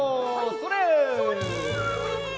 それ！